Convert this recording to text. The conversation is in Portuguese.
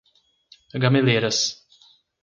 Gameleiras